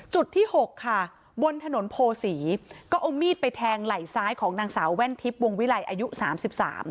จุดที่หกค่ะบนถนนโพศีก็เอามีดไปแทงไหล่ซ้ายของนางสาวแว่นทิพย์วงวิลัยอายุสามสิบสาม